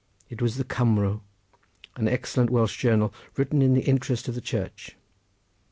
It was the Cumro, an excellent Welsh journal written in the interest of the Church.